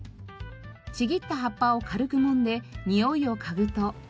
ちぎった葉っぱを軽くもんでにおいを嗅ぐと。